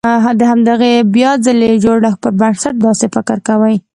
د همدې بيا ځلې جوړښت پر بنسټ داسې فکر کوي.